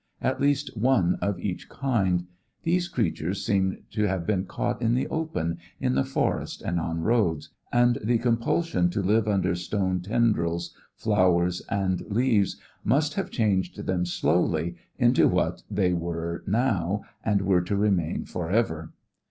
At least one of each kind; these creatures seemed to have been caught in the open, in the forest and on roads, and the compulsion to live under stone tendrils, flowers and leaves must have changed them slowly into what they were now and were to remain forever.